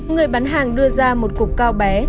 người bán hàng đưa ra một cục cao bé